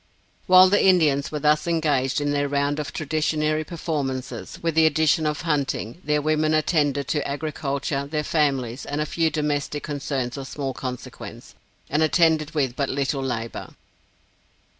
While the Indians were thus engaged in their round of traditionary performances, with the addition of hunting, their women attended to agriculture, their families, and a few domestic concerns of small consequence, and attended with but little labor.